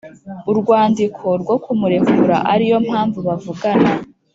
urwandiko rwo kumurekura ariyo mpamvu bavugana.